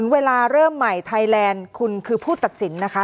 เวลาเริ่มใหม่ไทยแลนด์คุณคือผู้ตัดสินนะคะ